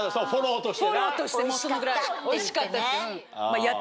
フォローとしてそのぐらいおいしかったって。